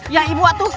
ya ibu atu